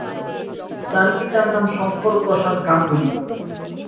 তার পিতার নাম শংকর প্রসাদ গাঙ্গুলি।